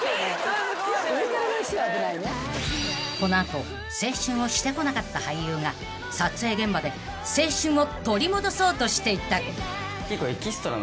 ［この後青春をしてこなかった俳優が撮影現場で青春を取り戻そうとしていた！？］